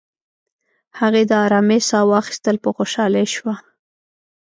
هغې د آرامی ساه واخیستل، په خوشحالۍ شوه.